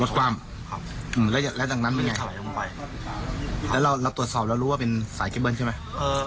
ลดกล้ามแล้วจากนั้นมันยังไงแล้วเราตรวจสอบแล้วรู้ว่าเป็นสายเก็บเบิ้ลใช่ไหม